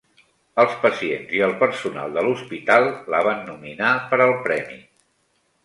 Els pacients i el personal de l'hospital la van nominar per al premi.